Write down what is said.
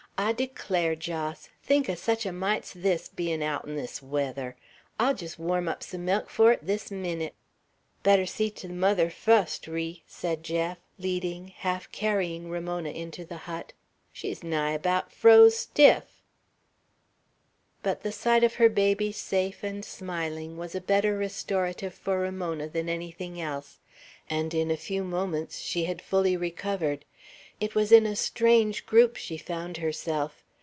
"I declar, Jos, think o' sech a mite's this bein' aout'n this weather. I'll jest warm up some milk for it this minnit." "Better see't th' mother fust, Ri," said Jeff, leading, half carrying, Ramona into the hut. "She's nigh abaout froze stiff!" But the sight of her baby safe and smiling was a better restorative for Ramona than anything else, and in a few moments she had fully recovered. It was in a strange group she found herself.